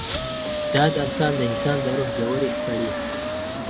دا داستان د انسان د روح ژورې سپړي.